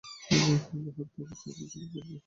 হাত থেকে সবই যেন পড়ে পড়ে যায়।